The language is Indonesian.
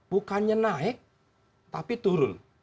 bukannya naik tapi turun